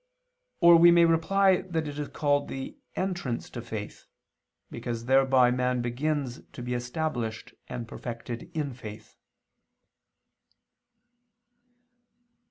Or we may reply that it is called the "entrance to faith," because thereby man begins to be established and perfected in faith.